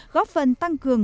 góp phần tăng cường